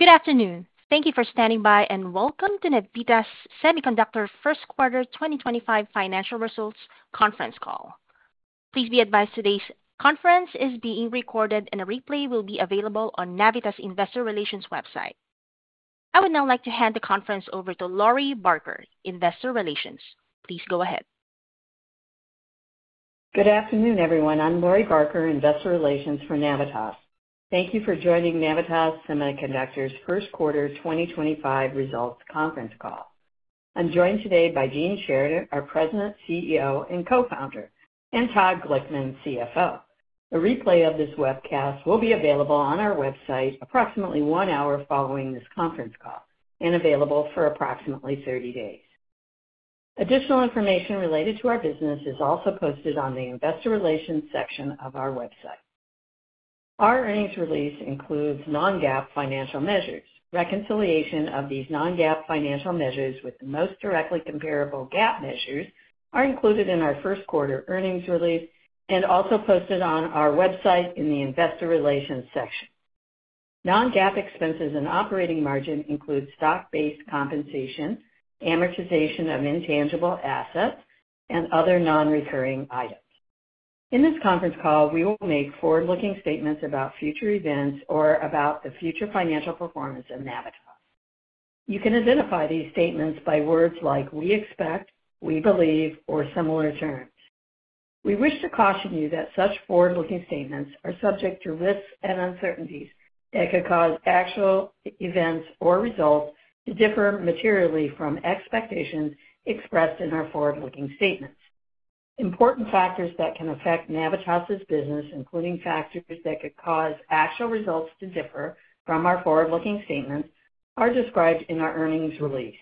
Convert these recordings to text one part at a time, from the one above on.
Good afternoon. Thank you for standing by and welcome to Navitas Semiconductor First Quarter 2025 Financial Results Conference Call. Please be advised today's conference is being recorded and a replay will be available on Navitas Investor Relations website. I would now like to hand the conference over to Lori Barker, Investor Relations. Please go ahead. Good afternoon, everyone. I'm Lori Barker, Investor Relations for Navitas. Thank you for joining Navitas Semiconductor's First Quarter 2025 Results Conference Call. I'm joined today by Gene Sheridan, our President, CEO, and Co-founder, and Todd Glickman, CFO. A replay of this webcast will be available on our website approximately one hour following this conference call and available for approximately 30 days. Additional information related to our business is also posted on the Investor Relations section of our website. Our earnings release includes non-GAAP financial measures. Reconciliation of these non-GAAP financial measures with the most directly comparable GAAP measures is included in our First Quarter earnings release and also posted on our website in the Investor Relations section. Non-GAAP expenses and operating margin include stock-based compensation, amortization of intangible assets, and other non-recurring items. In this conference call, we will make forward-looking statements about future events or about the future financial performance of Navitas. You can identify these statements by words like "we expect," "we believe," or similar terms. We wish to caution you that such forward-looking statements are subject to risks and uncertainties that could cause actual events or results to differ materially from expectations expressed in our forward-looking statements. Important factors that can affect Navitas's business, including factors that could cause actual results to differ from our forward-looking statements, are described in our earnings release.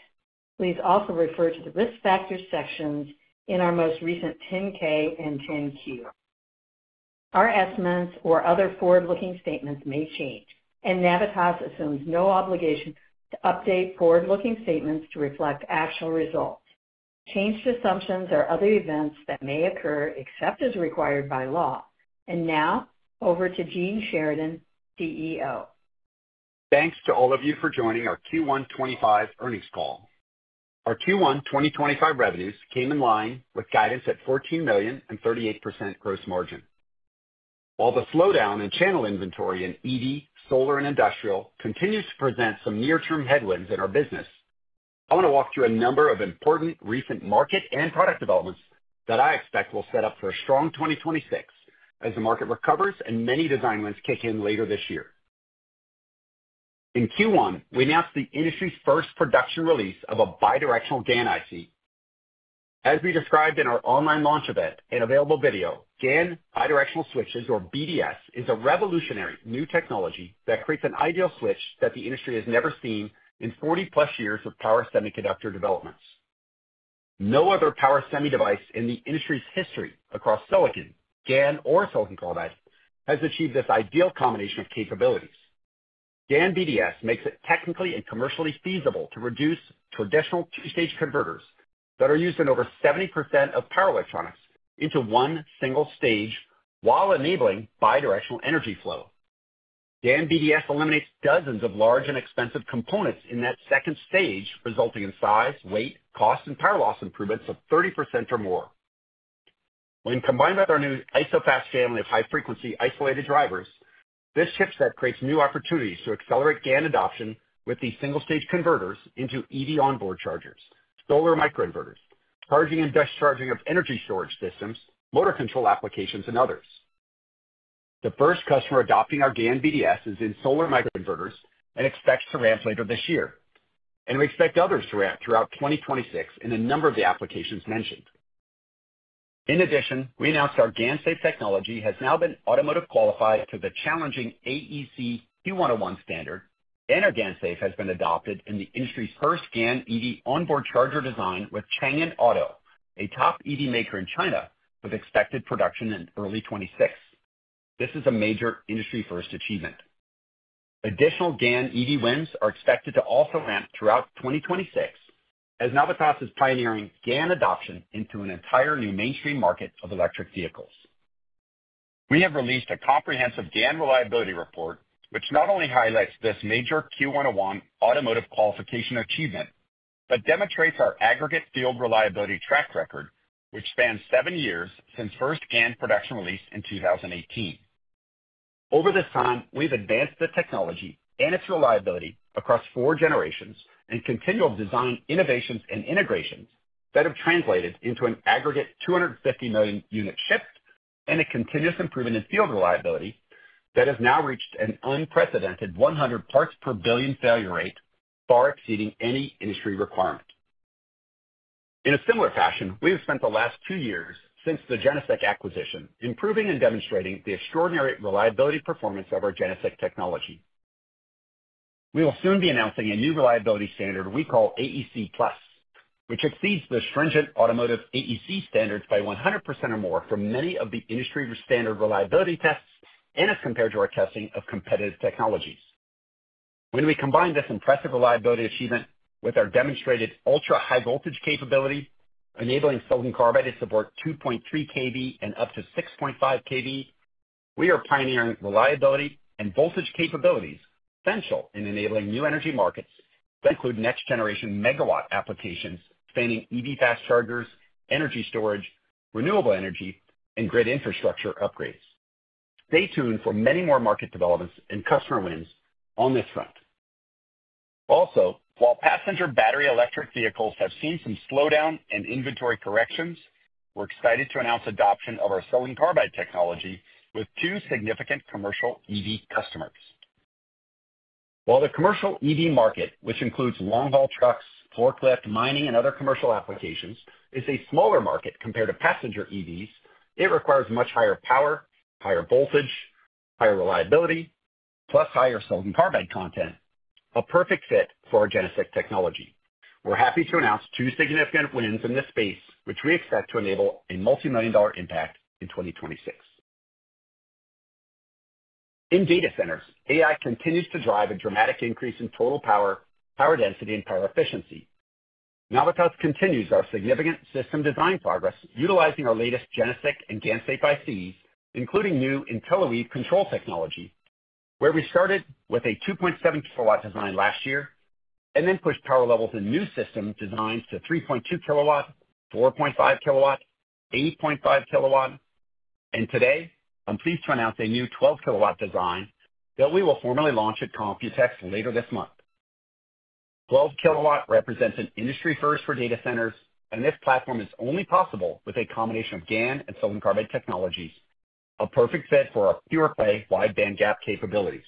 Please also refer to the risk factor sections in our most recent 10-K and 10-Q. Our estimates or other forward-looking statements may change, and Navitas assumes no obligation to update forward-looking statements to reflect actual results. Changed assumptions are other events that may occur except as required by law. Now, over to Gene Sheridan, CEO. Thanks to all of you for joining our Q1 2025 earnings call. Our Q1 2025 revenues came in line with guidance at $14 million and 38% gross margin. While the slowdown in channel inventory in EV, solar, and industrial continues to present some near-term headwinds in our business, I want to walk through a number of important recent market and product developments that I expect will set up for a strong 2026 as the market recovers and many design wins kick in later this year. In Q1, we announced the industry's first production release of a bidirectional GaN IC. As we described in our online launch event and available video, GaN bidirectional switches, or BDS, is a revolutionary new technology that creates an ideal switch that the industry has never seen in 40-plus years of power semiconductor developments. No other power semi-device in the industry's history across silicon, GaN, or silicon carbide has achieved this ideal combination of capabilities. GaN BDS makes it technically and commercially feasible to reduce traditional two-stage converters that are used in over 70% of power electronics into one single stage while enabling bidirectional energy flow. GaN BDS eliminates dozens of large and expensive components in that second stage, resulting in size, weight, cost, and power loss improvements of 30% or more. When combined with our new IsoFast family of high-frequency isolated drivers, this chipset creates new opportunities to accelerate GaN adoption with these single-stage converters into EV onboard chargers, solar microinverters, charging and discharging of energy storage systems, motor control applications, and others. The first customer adopting our GaN BDS is in solar microinverters and expects to ramp later this year, and we expect others to ramp throughout 2026 in a number of the applications mentioned. In addition, we announced our GaNSafe technology has now been automotive-qualified to the challenging AEC-Q101 standard, and our GaNSafe has been adopted in the industry's first GaN EV onboard charger design with Changan Auto, a top EV maker in China, with expected production in early 2026. This is a major industry-first achievement. Additional GaN EV wins are expected to also ramp throughout 2026 as Navitas is pioneering GaN adoption into an entire new mainstream market of electric vehicles. We have released a comprehensive GaN reliability report, which not only highlights this major Q101 automotive qualification achievement but demonstrates our aggregate field reliability track record, which spans seven years since first GaN production release in 2018. Over this time, we've advanced the technology and its reliability across four generations and continual design innovations and integrations that have translated into an aggregate 250 million unit shift and a continuous improvement in field reliability that has now reached an unprecedented 100 parts per billion failure rate, far exceeding any industry requirement. In a similar fashion, we have spent the last two years since the GeneSiC acquisition improving and demonstrating the extraordinary reliability performance of our GeneSiC technology. We will soon be announcing a new reliability standard we call AEC Plus, which exceeds the stringent automotive AEC standards by 100% or more for many of the industry-standard reliability tests and is compared to our testing of competitive technologies. When we combine this impressive reliability achievement with our demonstrated ultra-high voltage capability, enabling silicon carbide to support 2.3 kV and up to 6.5 kV, we are pioneering reliability and voltage capabilities essential in enabling new energy markets that include next-generation megawatt applications spanning EV fast chargers, energy storage, renewable energy, and grid infrastructure upgrades. Stay tuned for many more market developments and customer wins on this front. Also, while passenger battery electric vehicles have seen some slowdown and inventory corrections, we're excited to announce adoption of our silicon carbide technology with two significant commercial EV customers. While the commercial EV market, which includes long-haul trucks, forklift, mining, and other commercial applications, is a smaller market compared to passenger EVs, it requires much higher power, higher voltage, higher reliability, plus higher silicon carbide content, a perfect fit for our GeneSiC technology. We're happy to announce two significant wins in this space, which we expect to enable a multi-million-dollar impact in 2026. In data centers, AI continues to drive a dramatic increase in total power, power density, and power efficiency. Navitas continues our significant system design progress utilizing our latest GeneSiC and GaNSafe ICs, including new IntelliWeave control technology, where we started with a 2.7 kilowatt design last year and then pushed power levels in new system designs to 3.2 kilowatt, 4.5 kilowatt, 8.5 kilowatt. Today, I'm pleased to announce a new 12 kilowatt design that we will formally launch at Computex later this month. 12 kilowatt represents an industry first for data centers, and this platform is only possible with a combination of GaN and silicon carbide technologies, a perfect fit for our pure-play wide-band GaN capabilities.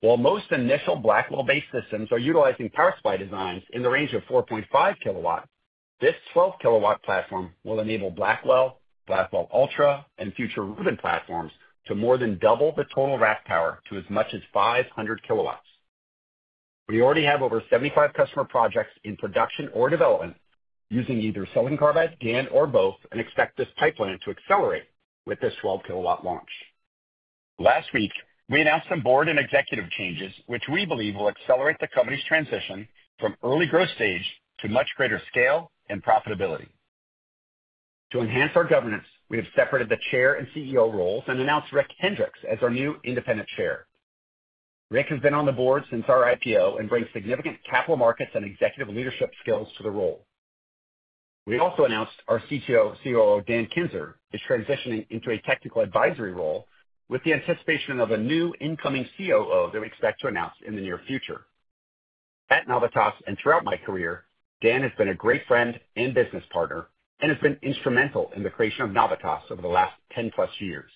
While most initial Blackwell-based systems are utilizing power supply designs in the range of 4.5 kilowatt, this 12-kilowatt platform will enable Blackwell, Blackwell Ultra, and future Rubin platforms to more than double the total rack power to as much as 500 kilowatts. We already have over 75 customer projects in production or development using either silicon carbide, GaN, or both, and expect this pipeline to accelerate with this 12-kilowatt launch. Last week, we announced some board and executive changes, which we believe will accelerate the company's transition from early growth stage to much greater scale and profitability. To enhance our governance, we have separated the Chair and CEO roles and announced Rick Hendrix as our new independent Chair. Rick has been on the board since our IPO and brings significant capital markets and executive leadership skills to the role. We also announced our CTO, COO, Dan Kinzer, is transitioning into a technical advisory role with the anticipation of a new incoming COO that we expect to announce in the near future. At Navitas and throughout my career, Dan has been a great friend and business partner and has been instrumental in the creation of Navitas over the last 10-plus years.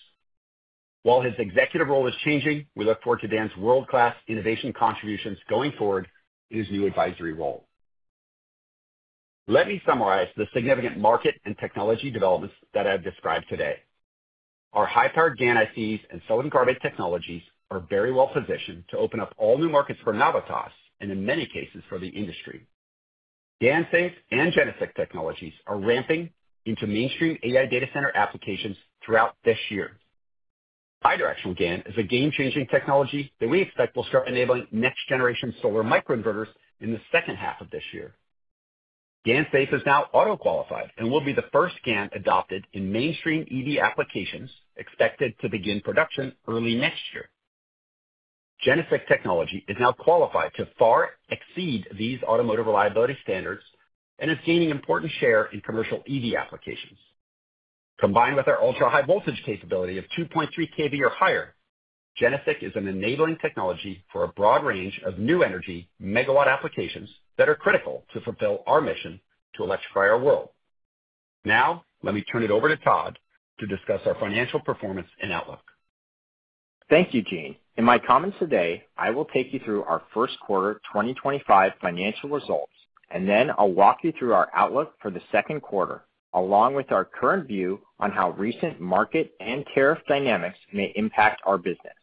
While his executive role is changing, we look forward to Dan's world-class innovation contributions going forward in his new advisory role. Let me summarize the significant market and technology developments that I've described today. Our high-powered GaN ICs and silicon carbide technologies are very well positioned to open up all new markets for Navitas and, in many cases, for the industry. GaNSafe and GeneSiC technologies are ramping into mainstream AI data center applications throughout this year. Bidirectional GaN is a game-changing technology that we expect will start enabling next-generation solar microinverters in the second half of this year. GaNSafe is now auto-qualified and will be the first GaN adopted in mainstream EV applications expected to begin production early next year. GeneSiC technology is now qualified to far exceed these automotive reliability standards and is gaining an important share in commercial EV applications. Combined with our ultra-high voltage capability of 2.3 kV or higher, GeneSiC is an enabling technology for a broad range of new energy megawatt applications that are critical to fulfill our mission to electrify our world. Now, let me turn it over to Todd to discuss our financial performance and outlook. Thank you, Gene. In my comments today, I will take you through our first quarter 2025 financial results, and then I'll walk you through our outlook for the second quarter, along with our current view on how recent market and tariff dynamics may impact our business.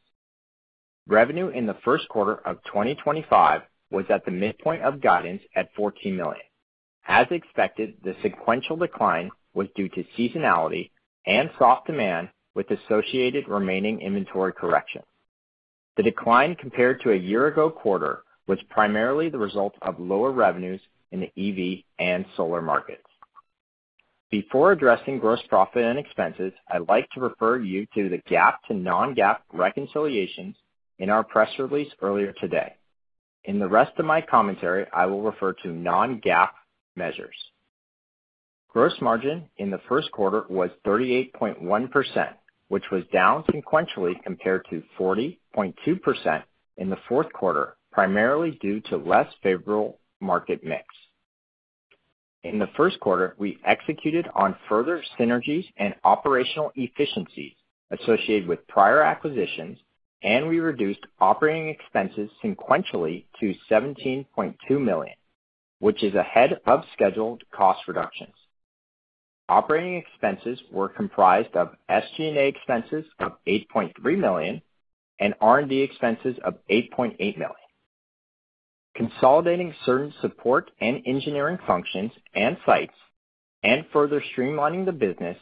Revenue in the first quarter of 2025 was at the midpoint of guidance at $14 million. As expected, the sequential decline was due to seasonality and soft demand with associated remaining inventory corrections. The decline compared to a year-ago quarter was primarily the result of lower revenues in the EV and solar markets. Before addressing gross profit and expenses, I'd like to refer you to the GAAP to non-GAAP reconciliations in our press release earlier today. In the rest of my commentary, I will refer to non-GAAP measures. Gross margin in the first quarter was 38.1%, which was down sequentially compared to 40.2% in the fourth quarter, primarily due to less favorable market mix. In the first quarter, we executed on further synergies and operational efficiencies associated with prior acquisitions, and we reduced operating expenses sequentially to $17.2 million, which is ahead of scheduled cost reductions. Operating expenses were comprised of SG&A expenses of $8.3 million and R&D expenses of $8.8 million. Consolidating certain support and engineering functions and sites and further streamlining the business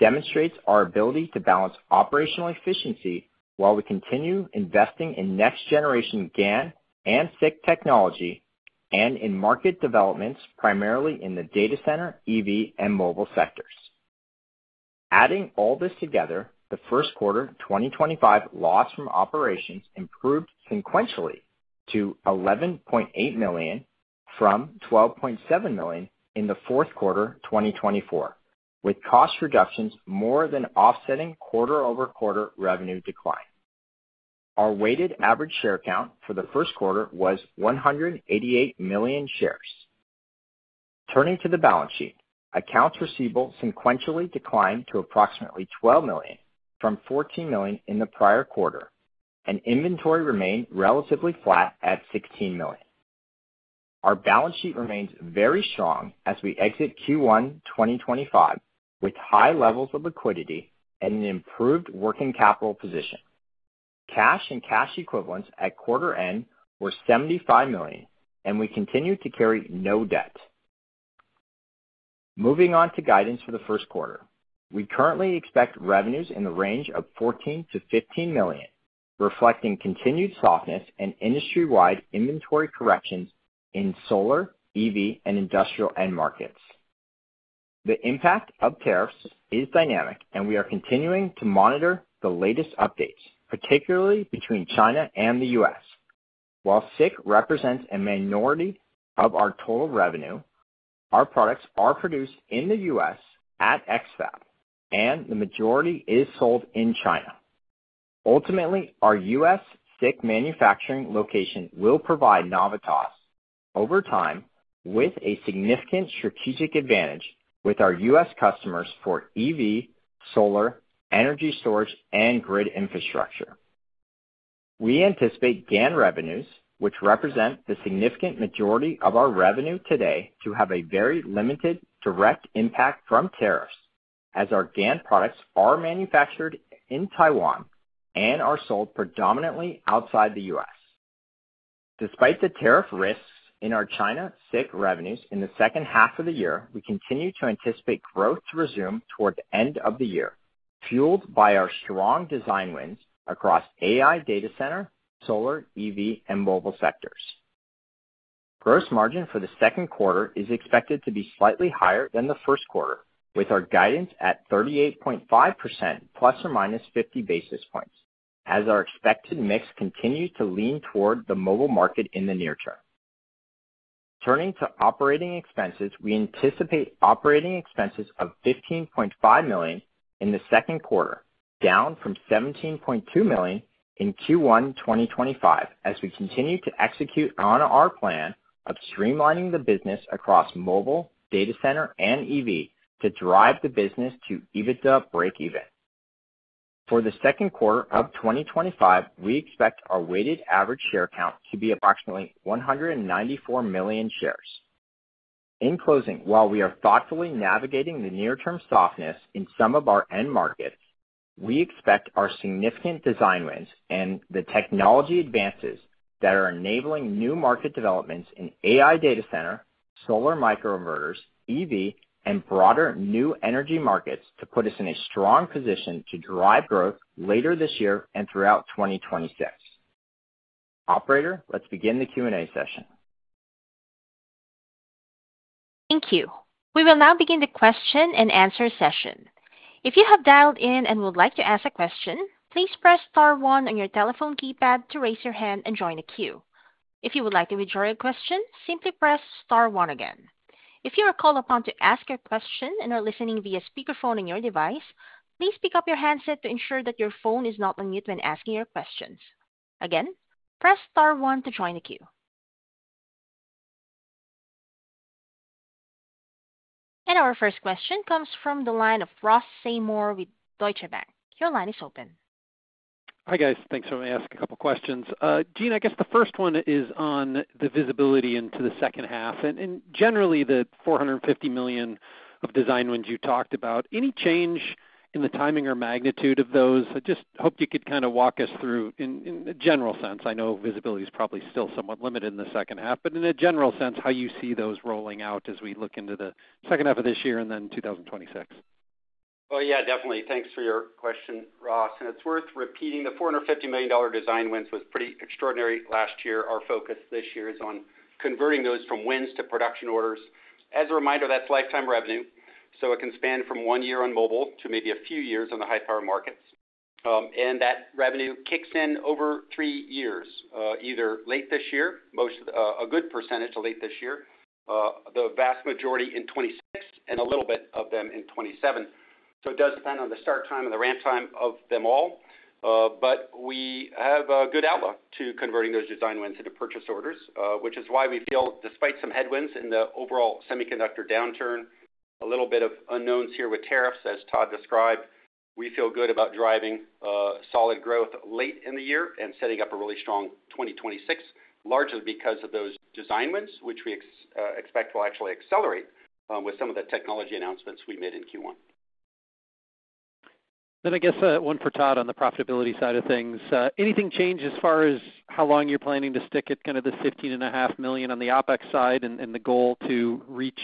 demonstrates our ability to balance operational efficiency while we continue investing in next-generation GaN and SiC technology and in market developments primarily in the data center, EV, and mobile sectors. Adding all this together, the first quarter 2025 loss from operations improved sequentially to $11.8 million from $12.7 million in the fourth quarter 2024, with cost reductions more than offsetting quarter-over-quarter revenue decline. Our weighted average share count for the first quarter was 188 million shares. Turning to the balance sheet, accounts receivable sequentially declined to approximately $12 million from $14 million in the prior quarter, and inventory remained relatively flat at $16 million. Our balance sheet remains very strong as we exit Q1 2025 with high levels of liquidity and an improved working capital position. Cash and cash equivalents at quarter end were $75 million, and we continue to carry no debt. Moving on to guidance for the first quarter, we currently expect revenues in the range of $14-$15 million, reflecting continued softness and industry-wide inventory corrections in solar, EV, and industrial end markets. The impact of tariffs is dynamic, and we are continuing to monitor the latest updates, particularly between China and the U.S. While SiC represents a minority of our total revenue, our products are produced in the U.S. at X-Fab, and the majority is sold in China. Ultimately, our U.S. SiC manufacturing location will provide Navitas over time with a significant strategic advantage with our U.S. customers for EV, solar, energy storage, and grid infrastructure. We anticipate GaN revenues, which represent the significant majority of our revenue today, to have a very limited direct impact from tariffs, as our GaN products are manufactured in Taiwan and are sold predominantly outside the U.S. Despite the tariff risks in our China SiC revenues in the second half of the year, we continue to anticipate growth to resume toward the end of the year, fueled by our strong design wins across AI data center, solar, EV, and mobile sectors. Gross margin for the second quarter is expected to be slightly higher than the first quarter, with our guidance at 38.5% plus or minus 50 basis points, as our expected mix continues to lean toward the mobile market in the near term. Turning to operating expenses, we anticipate operating expenses of $15.5 million in the second quarter, down from $17.2 million in Q1 2025, as we continue to execute on our plan of streamlining the business across mobile, data center, and EV to drive the business to even the break-even. For the second quarter of 2025, we expect our weighted average share count to be approximately 194 million shares. In closing, while we are thoughtfully navigating the near-term softness in some of our end markets, we expect our significant design wins and the technology advances that are enabling new market developments in AI data center, solar microinverters, EV, and broader new energy markets to put us in a strong position to drive growth later this year and throughout 2026. Operator, let's begin the Q&A session. Thank you. We will now begin the question and answer session. If you have dialed in and would like to ask a question, please press Star 1 on your telephone keypad to raise your hand and join the queue. If you would like to withdraw your question, simply press Star 1 again. If you are called upon to ask your question and are listening via speakerphone on your device, please pick up your handset to ensure that your phone is not on mute when asking your questions. Again, press Star 1 to join the queue. Our first question comes from the line of Ross Seymore with Deutsche Bank. Your line is open. Hi, guys. Thanks for asking a couple of questions. Gene, I guess the first one is on the visibility into the second half. And generally, the $450 million of design wins you talked about, any change in the timing or magnitude of those? I just hope you could kind of walk us through in a general sense. I know visibility is probably still somewhat limited in the second half, but in a general sense, how you see those rolling out as we look into the second half of this year and then 2026. Yeah, definitely. Thanks for your question, Ross. It's worth repeating, the $450 million design wins was pretty extraordinary last year. Our focus this year is on converting those from wins to production orders. As a reminder, that's lifetime revenue, so it can span from one year on mobile to maybe a few years on the high-powered markets. That revenue kicks in over three years, either late this year, a good percentage of late this year, the vast majority in 2026, and a little bit of them in 2027. It does depend on the start time and the ramp time of them all. We have a good outlook to converting those design wins into purchase orders, which is why we feel, despite some headwinds in the overall semiconductor downturn, a little bit of unknowns here with tariffs, as Todd described. We feel good about driving solid growth late in the year and setting up a really strong 2026, largely because of those design wins, which we expect will actually accelerate with some of the technology announcements we made in Q1. I guess one for Todd on the profitability side of things. Anything change as far as how long you're planning to stick at kind of the $15.5 million on the OpEx side and the goal to reach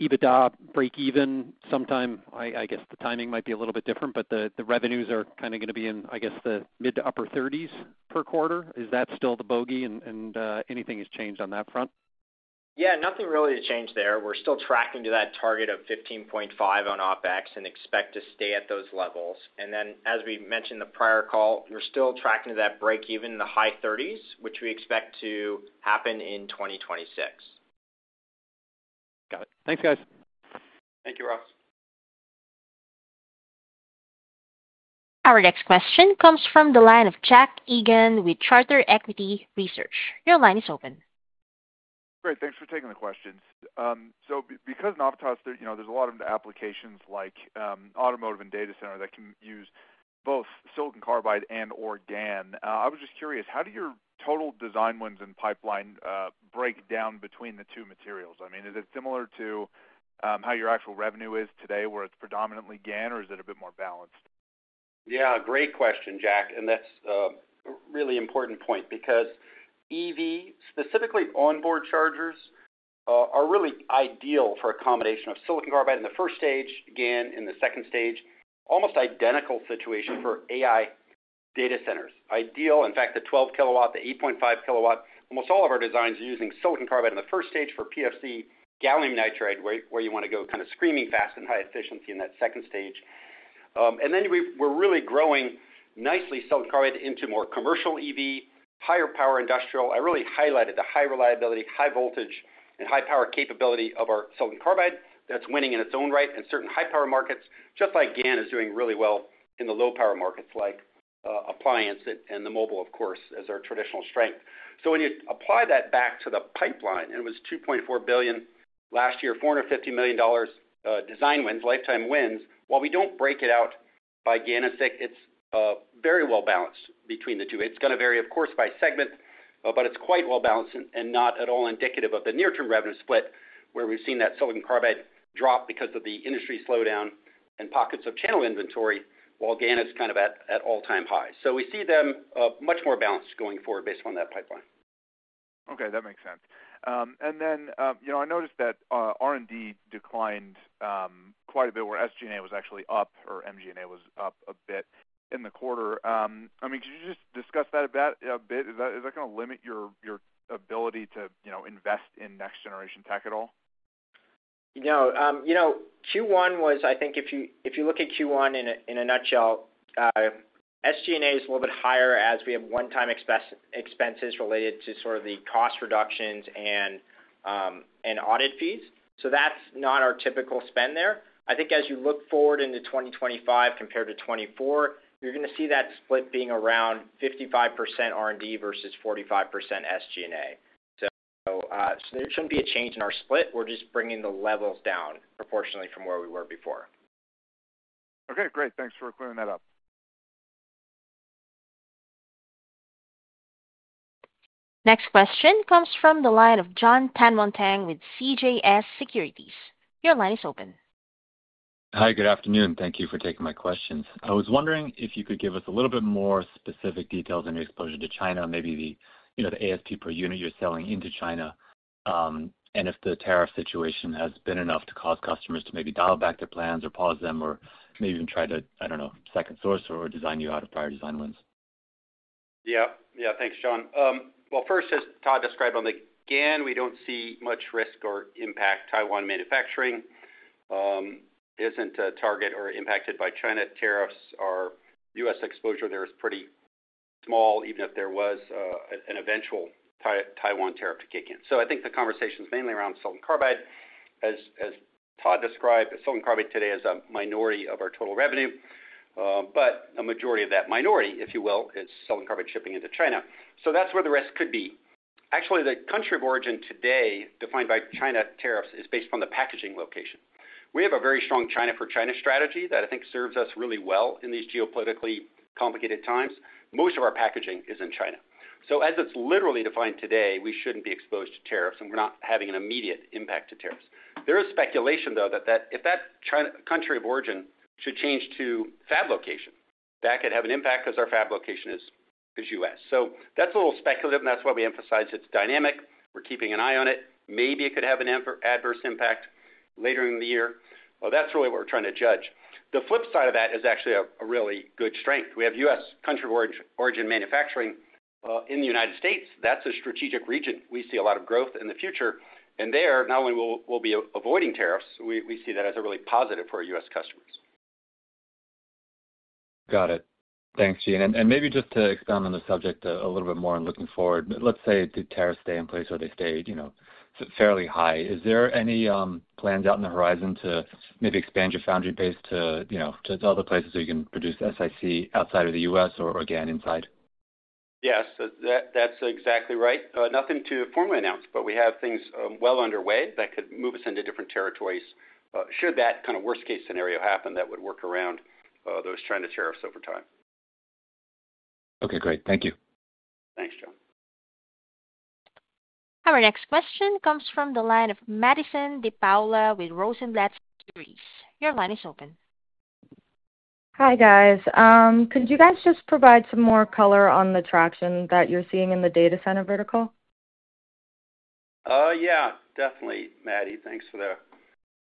EBITDA break-even sometime? I guess the timing might be a little bit different, but the revenues are kind of going to be in, I guess, the mid to upper 30s per quarter. Is that still the bogey, and anything has changed on that front? Yeah, nothing really has changed there. We're still tracking to that target of $15.5 on OpEx and expect to stay at those levels. As we mentioned in the prior call, we're still tracking to that break-even in the high 30s, which we expect to happen in 2026. Got it. Thanks, guys. Thank you, Ross. Our next question comes from the line of Jack Egan with Charter Equity Research. Your line is open. Great. Thanks for taking the questions. Because Navitas, there's a lot of applications like automotive and data center that can use both silicon carbide and/or GaN. I was just curious, how do your total design wins and pipeline break down between the two materials? I mean, is it similar to how your actual revenue is today, where it's predominantly GaN, or is it a bit more balanced? Yeah, great question, Jack. That's a really important point because EV, specifically onboard chargers, are really ideal for a combination of silicon carbide in the first stage, GaN in the second stage. Almost identical situation for AI data centers. Ideal. In fact, the 12-kilowatt, the 8.5-kilowatt, almost all of our designs are using silicon carbide in the first stage for PFC, gallium nitride, where you want to go kind of screaming fast and high efficiency in that second stage. We're really growing nicely silicon carbide into more commercial EV, higher power industrial. I really highlighted the high reliability, high voltage, and high power capability of our silicon carbide that's winning in its own right in certain high-power markets, just like GaN is doing really well in the low-power markets like appliance and the mobile, of course, as our traditional strength. When you apply that back to the pipeline, and it was $2.4 billion last year, $450 million design wins, lifetime wins. While we don't break it out by GaN and SiC, it's very well balanced between the two. It's going to vary, of course, by segment, but it's quite well balanced and not at all indicative of the near-term revenue split where we've seen that silicon carbide drop because of the industry slowdown and pockets of channel inventory, while GaN is kind of at all-time high. We see them much more balanced going forward based on that pipeline. Okay. That makes sense. I noticed that R&D declined quite a bit where SG&A was actually up or MG&A was up a bit in the quarter. I mean, could you just discuss that a bit? Is that going to limit your ability to invest in next-generation tech at all? No. You know, Q1 was, I think, if you look at Q1 in a nutshell, SG&A is a little bit higher as we have one-time expenses related to sort of the cost reductions and audit fees. That is not our typical spend there. I think as you look forward into 2025 compared to 2024, you are going to see that split being around 55% R&D versus 45% SG&A. There should not be a change in our split. We are just bringing the levels down proportionately from where we were before. Okay. Great. Thanks for clearing that up. Next question comes from the line of Jon Tanwanteng with CJS Securities. Your line is open. Hi, good afternoon. Thank you for taking my questions. I was wondering if you could give us a little bit more specific details on your exposure to China, maybe the ASP per unit you're selling into China, and if the tariff situation has been enough to cause customers to maybe dial back their plans or pause them or maybe even try to, I don't know, second source or design you out of prior design wins. Yeah. Yeah. Thanks, John. First, as Todd described, on the GaN, we do not see much risk or impact. Taiwan manufacturing is not a target or impacted by China. Tariffs or U.S. exposure there is pretty small, even if there was an eventual Taiwan tariff to kick in. I think the conversation is mainly around silicon carbide. As Todd described, silicon carbide today is a minority of our total revenue, but a majority of that minority, if you will, is silicon carbide shipping into China. That is where the risk could be. Actually, the country of origin today defined by China tariffs is based upon the packaging location. We have a very strong China for China strategy that I think serves us really well in these geopolitically complicated times. Most of our packaging is in China. As it's literally defined today, we shouldn't be exposed to tariffs, and we're not having an immediate impact to tariffs. There is speculation, though, that if that country of origin should change to fab location, that could have an impact because our fab location is U.S. That's a little speculative, and that's why we emphasize it's dynamic. We're keeping an eye on it. Maybe it could have an adverse impact later in the year. That's really what we're trying to judge. The flip side of that is actually a really good strength. We have U.S. country of origin manufacturing in the United States. That's a strategic region. We see a lot of growth in the future. There, not only will we be avoiding tariffs, we see that as a really positive for our U.S. customers. Got it. Thanks, Gene. Maybe just to expand on the subject a little bit more and looking forward, let's say the tariffs stay in place or they stay fairly high. Is there any plans out on the horizon to maybe expand your foundry base to other places so you can produce SiC outside of the U.S. or again inside? Yes. That's exactly right. Nothing to formally announce, but we have things well underway that could move us into different territories. Should that kind of worst-case scenario happen, that would work around those China tariffs over time. Okay. Great. Thank you. Thanks, John. Our next question comes from the line of Madison DePaola with Rosenblatt Securities. Your line is open. Hi, guys. Could you guys just provide some more color on the traction that you're seeing in the data center vertical? Yeah. Definitely, Maddie. Thanks for the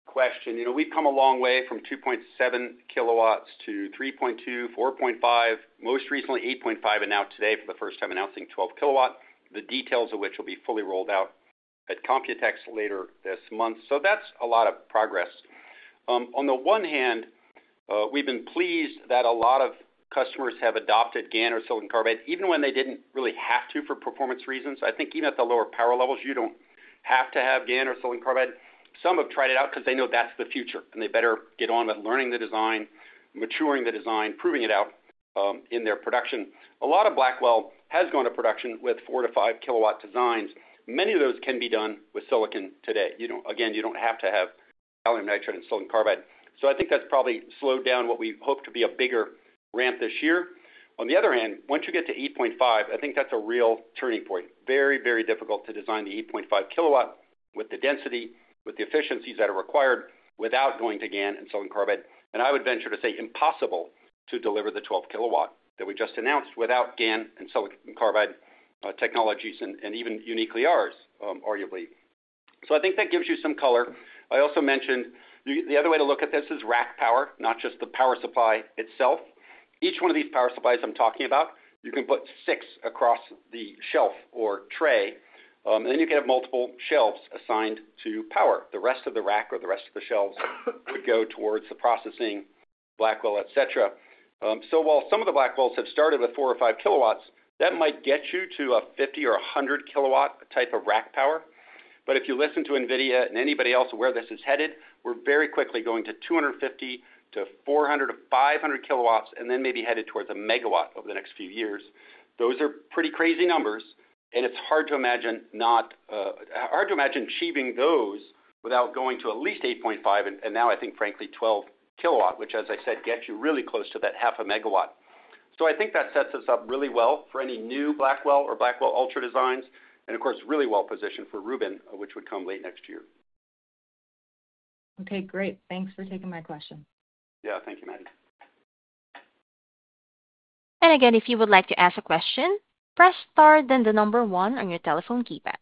question. We've come a long way from 2.7 kilowatts to 3.2, 4.5, most recently 8.5, and now today for the first time announcing 12 kilowatt, the details of which will be fully rolled out at Computex later this month. That is a lot of progress. On the one hand, we've been pleased that a lot of customers have adopted GaN or silicon carbide, even when they did not really have to for performance reasons. I think even at the lower power levels, you do not have to have GaN or silicon carbide. Some have tried it out because they know that is the future, and they better get on with learning the design, maturing the design, proving it out in their production. A lot of Blackwell has gone to production with 4-5 kilowatt designs. Many of those can be done with silicon today. Again, you don't have to have gallium nitride and silicon carbide. I think that's probably slowed down what we hoped to be a bigger ramp this year. On the other hand, once you get to 8.5, I think that's a real turning point. Very, very difficult to design the 8.5 kilowatt with the density, with the efficiencies that are required without going to GaN and silicon carbide. I would venture to say impossible to deliver the 12 kilowatt that we just announced without GaN and silicon carbide technologies and even uniquely ours, arguably. I think that gives you some color. I also mentioned the other way to look at this is rack power, not just the power supply itself. Each one of these power supplies I'm talking about, you can put six across the shelf or tray, and then you can have multiple shelves assigned to power. The rest of the rack or the rest of the shelves would go towards the processing, Blackwell, etc. While some of the Blackwells have started with 4 or 5 kilowatts, that might get you to a 50 or 100 kilowatt type of rack power. If you listen to NVIDIA and anybody else where this is headed, we're very quickly going to 250-400-500 kilowatts and then maybe headed towards a megawatt over the next few years. Those are pretty crazy numbers, and it's hard to imagine achieving those without going to at least 8.5 and now, I think, frankly, 12 kilowatt, which, as I said, gets you really close to that half a megawatt. I think that sets us up really well for any new Blackwell or Blackwell Ultra designs and, of course, really well positioned for Rubin, which would come late next year. Okay. Great. Thanks for taking my question. Yeah. Thank you, Maddie. If you would like to ask a question, press star then the number one on your telephone keypad.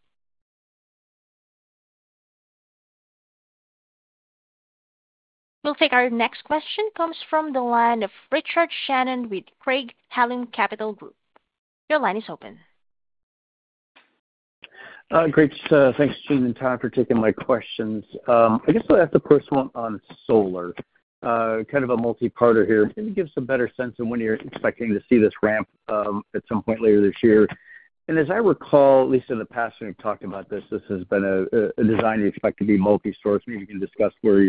We'll take our next question comes from the line of Richard Shannon with Craig-Hallum Capital Group. Your line is open. Great. Thanks, Gene and Todd, for taking my questions. I guess I'll ask the first one on solar. Kind of a multi-parter here. Maybe give us a better sense of when you're expecting to see this ramp at some point later this year. As I recall, at least in the past, we've talked about this. This has been a design you expect to be multi-source. Maybe you can discuss where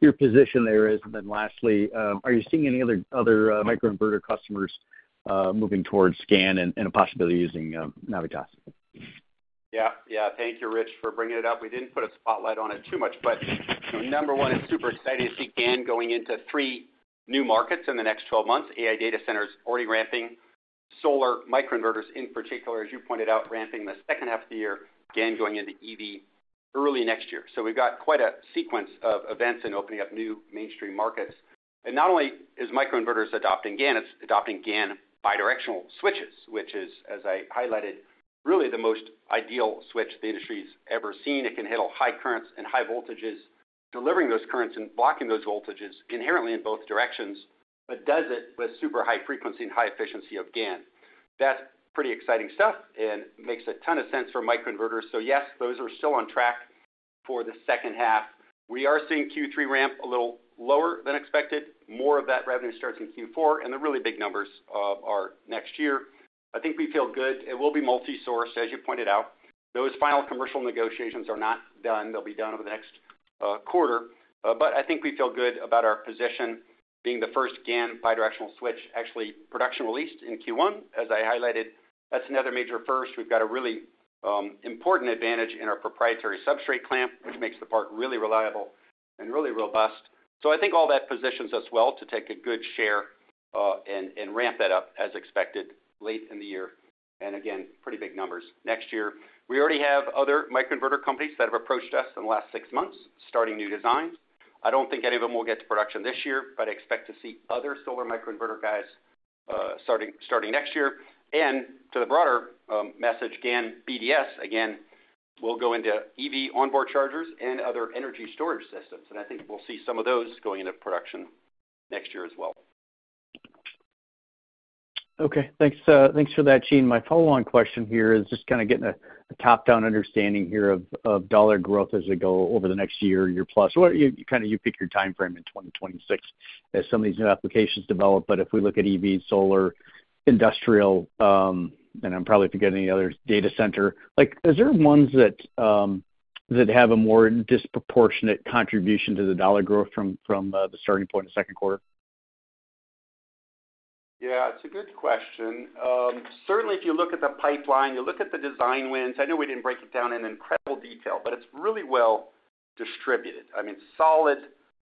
your position there is. Lastly, are you seeing any other microinverter customers moving towards GaN and a possibility of using Navitas? Yeah. Yeah. Thank you, Rich, for bringing it up. We did not put a spotlight on it too much, but number one, it is super exciting to see GaN going into three new markets in the next 12 months. AI data centers already ramping, solar microinverters in particular, as you pointed out, ramping in the second half of the year, GaN going into EV early next year. We have quite a sequence of events and opening up new mainstream markets. Not only is microinverters adopting GaN, it is adopting GaN bidirectional switches, which is, as I highlighted, really the most ideal switch the industry's ever seen. It can handle high currents and high voltages, delivering those currents and blocking those voltages inherently in both directions, but does it with super high frequency and high efficiency of GaN. That is pretty exciting stuff and makes a ton of sense for microinverters. Yes, those are still on track for the second half. We are seeing Q3 ramp a little lower than expected. More of that revenue starts in Q4, and the really big numbers are next year. I think we feel good. It will be multi-source, as you pointed out. Those final commercial negotiations are not done. They'll be done over the next quarter. I think we feel good about our position being the first GaN bidirectional switch actually production released in Q1. As I highlighted, that's another major first. We've got a really important advantage in our proprietary substrate clamp, which makes the part really reliable and really robust. I think all that positions us well to take a good share and ramp that up as expected late in the year. Again, pretty big numbers next year. We already have other microinverter companies that have approached us in the last six months starting new designs. I don't think any of them will get to production this year, but I expect to see other solar microinverter guys starting next year. To the broader message, GaN BDS, again, will go into EV onboard chargers and other energy storage systems. I think we'll see some of those going into production next year as well. Okay. Thanks for that, Gene. My follow-on question here is just kind of getting a top-down understanding here of dollar growth as we go over the next year, year plus. Kind of you pick your time frame in 2026 as some of these new applications develop. If we look at EV, solar, industrial, and I'm probably forgetting the other data center, is there ones that have a more disproportionate contribution to the dollar growth from the starting point of the second quarter? Yeah. It's a good question. Certainly, if you look at the pipeline, you look at the design wins, I know we didn't break it down in incredible detail, but it's really well distributed. I mean, solid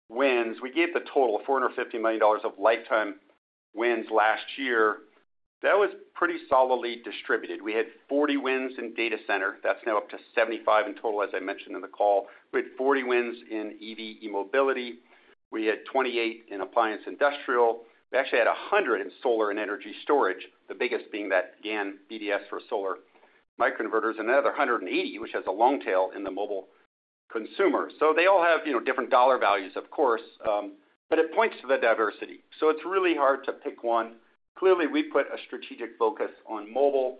wins. We gave the total of $450 million of lifetime wins last year. That was pretty solidly distributed. We had 40 wins in data center. That's now up to 75 in total, as I mentioned in the call. We had 40 wins in EV e-mobility. We had 28 in appliance industrial. We actually had 100 in solar and energy storage, the biggest being that GaN BDS for solar microinverters and another 180, which has a long tail in the mobile consumer. They all have different dollar values, of course, but it points to the diversity. It's really hard to pick one. Clearly, we put a strategic focus on mobile,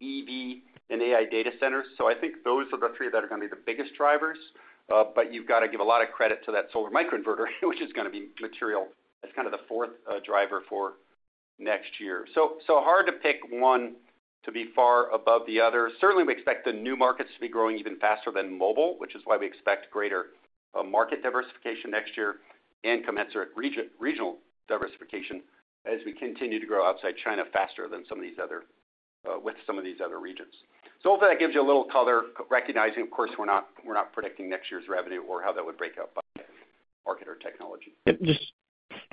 EV, and AI data centers. I think those are the three that are going to be the biggest drivers. You have to give a lot of credit to that solar microinverter, which is going to be material. It is kind of the fourth driver for next year. It is hard to pick one to be far above the other. Certainly, we expect the new markets to be growing even faster than mobile, which is why we expect greater market diversification next year and commensurate regional diversification as we continue to grow outside China faster than some of these other with some of these other regions. Hopefully that gives you a little color, recognizing, of course, we are not predicting next year's revenue or how that would break out by market or technology.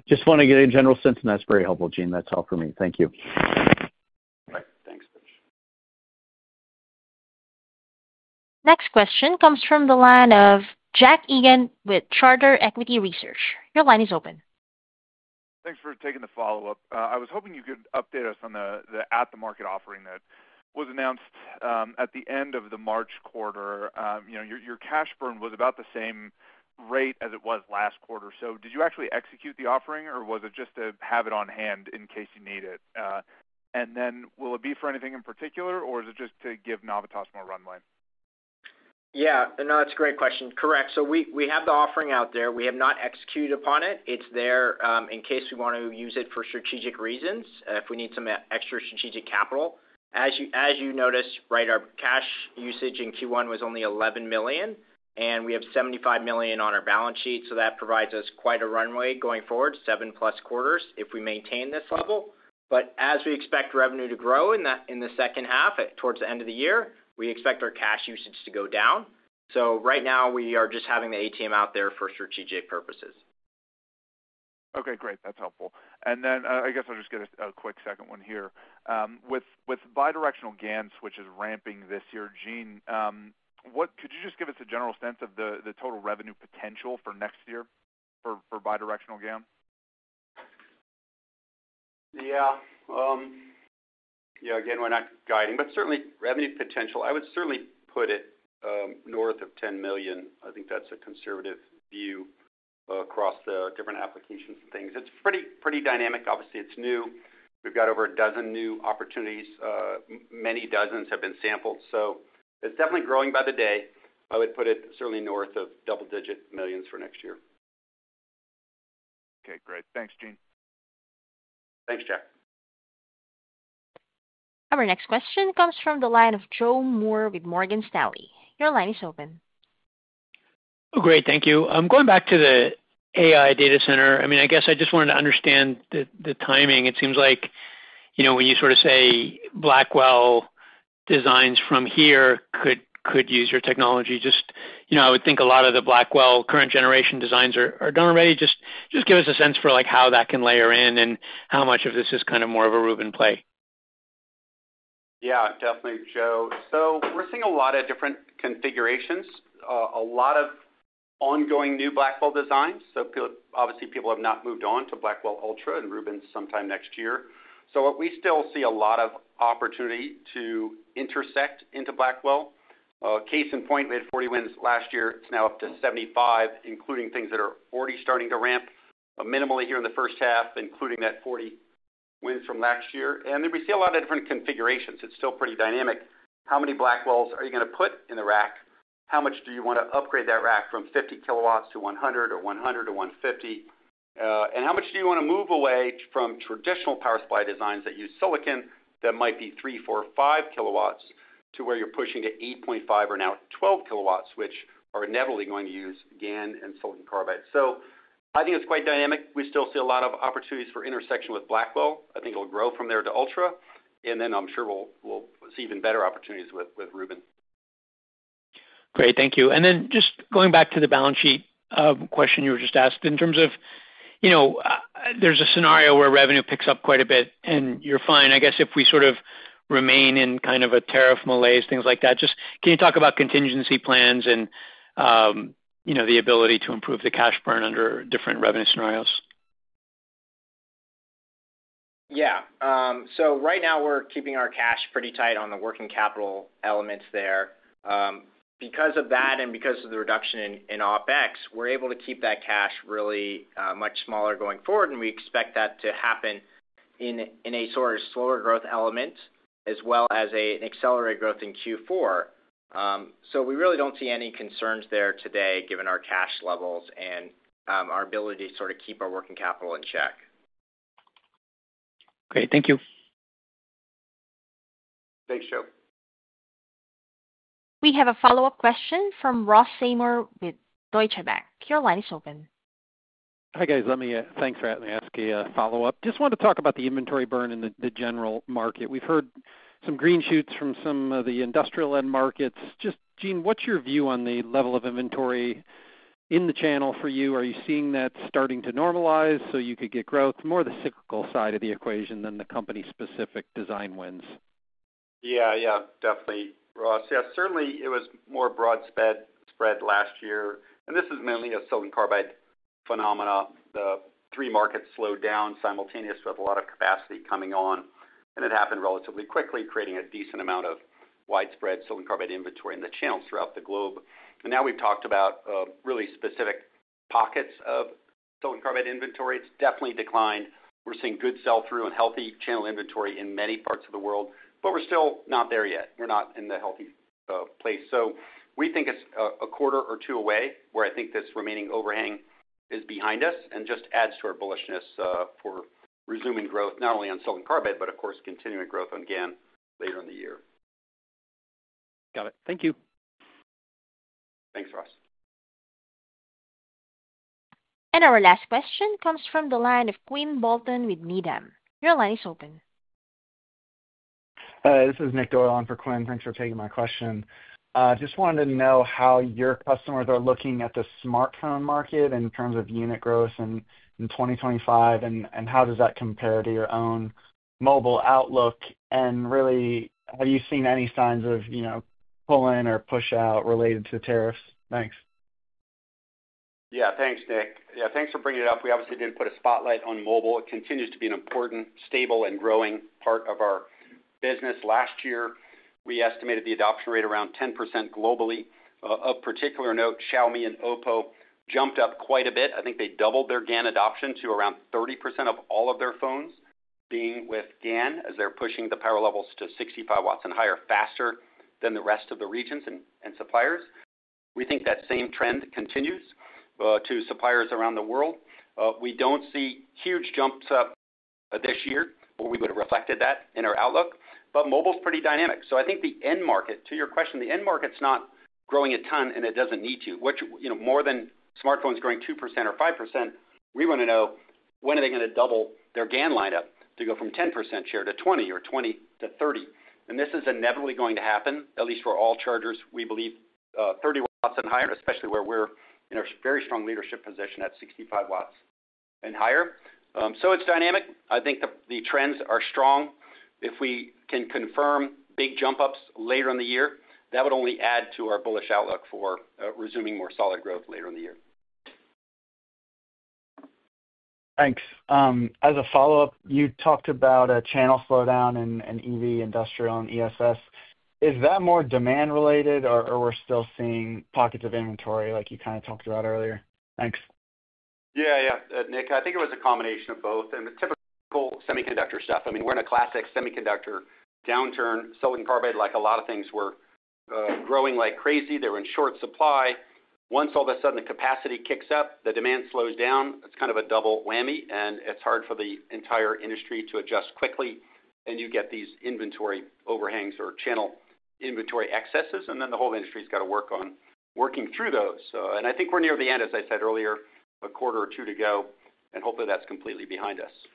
Just want to get a general sense, and that's very helpful, Gene. That's all for me. Thank you. All right. Thanks, Rich. Next question comes from the line of Jack Egan with Charter Equity Research. Your line is open. Thanks for taking the follow-up. I was hoping you could update us on the at-the-market offering that was announced at the end of the March quarter. Your cash burn was about the same rate as it was last quarter. Did you actually execute the offering, or was it just to have it on hand in case you need it? Will it be for anything in particular, or is it just to give Navitas more runway? Yeah. No, that's a great question. Correct. We have the offering out there. We have not executed upon it. It's there in case we want to use it for strategic reasons if we need some extra strategic capital. As you noticed, our cash usage in Q1 was only $11 million, and we have $75 million on our balance sheet. That provides us quite a runway going forward, seven-plus quarters if we maintain this level. As we expect revenue to grow in the second half towards the end of the year, we expect our cash usage to go down. Right now, we are just having the ATM out there for strategic purposes. Okay. Great. That's helpful. I guess I'll just get a quick second one here. With bidirectional GaN switches ramping this year, Gene, could you just give us a general sense of the total revenue potential for next year for bidirectional GaN? Yeah. Yeah. Again, we're not guiding, but certainly revenue potential. I would certainly put it north of $10 million. I think that's a conservative view across the different applications and things. It's pretty dynamic. Obviously, it's new. We've got over a dozen new opportunities. Many dozens have been sampled. It's definitely growing by the day. I would put it certainly north of double-digit millions for next year. Okay. Great. Thanks, Gene. Thanks, Jack. Our next question comes from the line of Joe Moore with Morgan Stanley. Your line is open. Oh, great. Thank you. Going back to the AI data center, I mean, I guess I just wanted to understand the timing. It seems like when you sort of say Blackwell designs from here could use your technology. Just I would think a lot of the Blackwell current-generation designs are done already. Just give us a sense for how that can layer in and how much of this is kind of more of a Rubin play. Yeah. Definitely, Joe. We're seeing a lot of different configurations, a lot of ongoing new Blackwell designs. Obviously, people have not moved on to Blackwell Ultra and Rubin sometime next year. We still see a lot of opportunity to intersect into Blackwell. Case in point, we had 40 wins last year. It's now up to 75, including things that are already starting to ramp minimally here in the first half, including that 40 wins from last year. We see a lot of different configurations. It's still pretty dynamic. How many Blackwells are you going to put in the rack? How much do you want to upgrade that rack from 50 kilowatts to 100 or 100 to 150? How much do you want to move away from traditional power supply designs that use silicon that might be 3, 4, 5 kilowatts to where you're pushing to 8.5 or now 12 kilowatts, which are inevitably going to use GaN and silicon carbide? I think it's quite dynamic. We still see a lot of opportunities for intersection with Blackwell. I think it'll grow from there to Ultra. I'm sure we'll see even better opportunities with Rubin. Great. Thank you. Just going back to the balance sheet question you were just asked, in terms of there's a scenario where revenue picks up quite a bit and you're fine, I guess, if we sort of remain in kind of a tariff malaise, things like that. Just can you talk about contingency plans and the ability to improve the cash burn under different revenue scenarios? Yeah. Right now, we're keeping our cash pretty tight on the working capital elements there. Because of that and because of the reduction in OpEx, we're able to keep that cash really much smaller going forward. We expect that to happen in a sort of slower growth element as well as an accelerated growth in Q4. We really don't see any concerns there today given our cash levels and our ability to sort of keep our working capital in check. Great. Thank you. Thanks, Joe. We have a follow-up question from Ross Seymore with Deutsche Bank. Your line is open. Hi guys. Thanks for having me ask a follow-up. Just wanted to talk about the inventory burn in the general market. We've heard some green shoots from some of the industrial-end markets. Just, Gene, what's your view on the level of inventory in the channel for you? Are you seeing that starting to normalize so you could get growth, more the cyclical side of the equation than the company-specific design wins? Yeah. Yeah. Definitely, Ross. Yeah. Certainly, it was more broad spread last year. This is mainly a silicon carbide phenomena. The three markets slowed down simultaneously with a lot of capacity coming on. It happened relatively quickly, creating a decent amount of widespread silicon carbide inventory in the channels throughout the globe. Now we've talked about really specific pockets of silicon carbide inventory. It's definitely declined. We're seeing good sell-through and healthy channel inventory in many parts of the world, but we're still not there yet. We're not in the healthy place. We think it's a quarter or two away where I think this remaining overhang is behind us and just adds to our bullishness for resuming growth, not only on silicon carbide, but of course, continuing growth on GaN later in the year. Got it. Thank you. Thanks, Ross. Our last question comes from the line of Quinn Bolton with Needham & Company. Your line is open. This is Nick Doyle for Quinn. Thanks for taking my question. Just wanted to know how your customers are looking at the smartphone market in terms of unit growth in 2025, and how does that compare to your own mobile outlook? Really, have you seen any signs of pull-in or push-out related to tariffs? Thanks. Yeah. Thanks, Nick. Yeah. Thanks for bringing it up. We obviously did not put a spotlight on mobile. It continues to be an important, stable, and growing part of our business. Last year, we estimated the adoption rate around 10% globally. Of particular note, Xiaomi and Oppo jumped up quite a bit. I think they doubled their GaN adoption to around 30% of all of their phones, being with GaN as they are pushing the power levels to 65 watts and higher faster than the rest of the regions and suppliers. We think that same trend continues to suppliers around the world. We do not see huge jumps up this year, or we would have reflected that in our outlook. Mobile is pretty dynamic. I think the end market, to your question, the end market is not growing a ton, and it does not need to. More than smartphones growing 2% or 5%, we want to know when are they going to double their GaN lineup to go from 10% share to 20% or 20% to 30%. This is inevitably going to happen, at least for all chargers, we believe, 30 watts and higher, especially where we're in a very strong leadership position at 65 watts and higher. It is dynamic. I think the trends are strong. If we can confirm big jump-ups later in the year, that would only add to our bullish outlook for resuming more solid growth later in the year. Thanks. As a follow-up, you talked about a channel slowdown in EV, industrial, and ESS. Is that more demand-related, or we're still seeing pockets of inventory like you kind of talked about earlier? Thanks. Yeah. Yeah. Nick, I think it was a combination of both and the typical semiconductor stuff. I mean, we're in a classic semiconductor downturn. Silicon carbide, like a lot of things, were growing like crazy. They were in short supply. Once all of a sudden the capacity kicks up, the demand slows down. It's kind of a double whammy, and it's hard for the entire industry to adjust quickly. You get these inventory overhangs or channel inventory excesses. The whole industry's got to work on working through those. I think we're near the end, as I said earlier, a quarter or two to go. Hopefully, that's completely behind us.